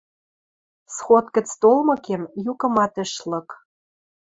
Сход гӹц толмыкем, юкымат ӹш лык!..